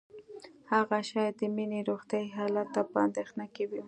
هغه شاید د مينې روغتیايي حالت ته په اندېښنه کې وه